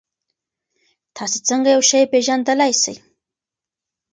تاسې څنګه یو شی پېژندلای سئ؟